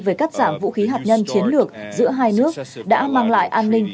về cắt giảm vũ khí hạt nhân chiến lược giữa hai nước đã mang lại an ninh